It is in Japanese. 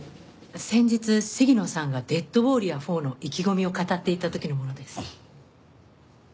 先日鴫野さんが『デッドウォーリア４』の意気込みを語っていた時のものです。